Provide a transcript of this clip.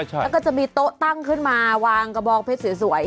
แล้วก็จะมีโต๊ะตั้งขึ้นมาวางกระบองเพชรสวย